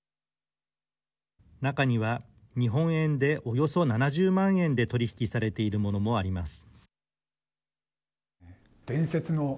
中には日本円でおよそ７０万円で取り引きされているものもあります。